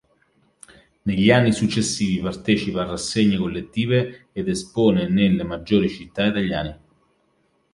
Negli anni successivi partecipa a rassegne collettive ed espone nelle maggiori città italiane.